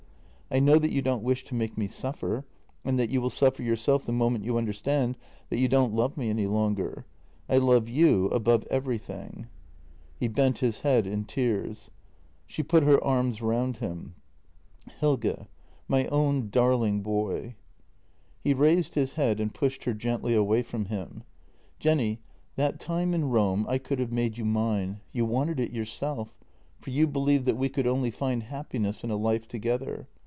I know that you don't wish to make me suffer, and that you will suffer yourself the moment you understand that you don't love me any longer. I love you above everything." He bent his head in tears. She put her arms round him. JENNY 165 " Helge — my own darling boy." He raised his head and pushed her gently away from him: "Jenny, that time in Rome I could have made you mine — you wanted it yourself, for you believed that we could only find happiness in a life together.